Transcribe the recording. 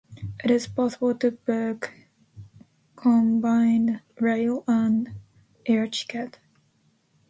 It is possible to book combined rail and air tickets.